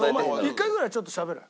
１回ぐらいちょっとしゃべれ。